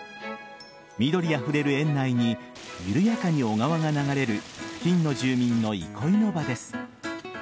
緑あふれる園内に緩やかに小川が流れる付近の住民の憩いの場です。